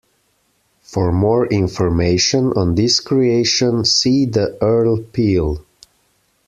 For more information on this creation, see the Earl Peel.